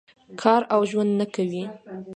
کار او ژوند نه کوي.